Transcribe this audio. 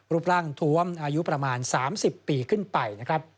รูปร่างทวมอายุประมาณ๓๐ปีขึ้นไปนะครับ